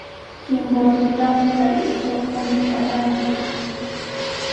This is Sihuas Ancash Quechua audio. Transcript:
Chimbotetrawmi kay ishkay punchuta rantishqaa.